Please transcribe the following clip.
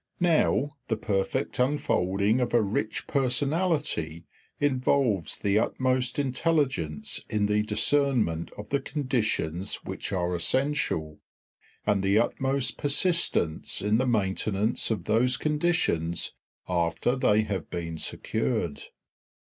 Now, the perfect unfolding of a rich personality involves the utmost intelligence in the discernment of the conditions which are essential, and the utmost persistence in the maintenance of those conditions after they have been secured.